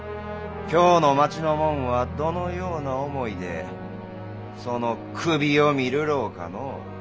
京の町の者はどのような思いでその首を見るろうかのう？